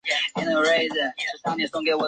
纤柄红豆为豆科红豆属下的一个种。